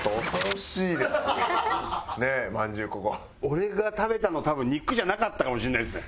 俺が食べたの多分肉じゃなかったかもしれないですね